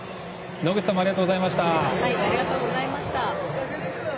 野口さんもありがとうございました。